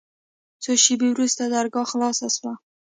څو شېبې وروسته درګاه خلاصه سوه.